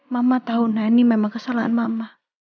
mama tau nani memang kesalahan mama